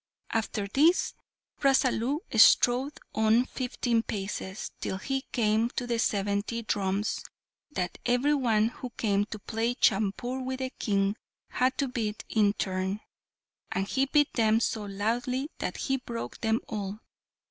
After this, Rasalu strode on fifteen paces, till he came to the seventy drums, that every one who came to play chaupur with the King had to beat in turn; and he beat them so loudly that he broke them all.